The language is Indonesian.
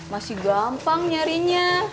masih gampang nyarinya